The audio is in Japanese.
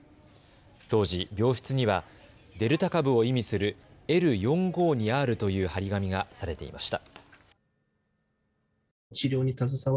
当時、病室にはデルタ株を意味するＬ４５２Ｒという貼り紙がされていました。